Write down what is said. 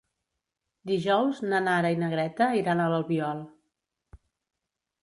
Dijous na Nara i na Greta iran a l'Albiol.